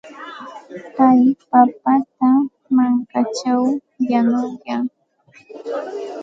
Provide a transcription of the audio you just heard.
Pay papata mankaćhaw yanuyan.